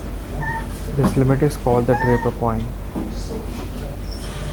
This limit is called the Draper point.